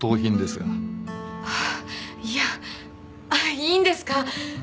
あいやいいんですか？